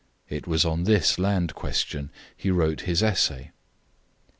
It was on this land question he wrote his essay.